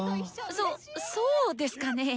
そそうですかね。